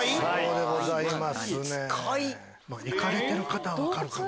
行かれてる方は分かるかも。